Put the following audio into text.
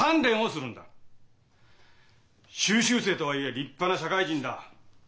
修習生とはいえ立派な社会人だ。